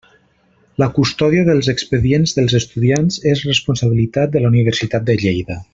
La custòdia dels expedients dels estudiants és responsabilitat de la Universitat de Lleida.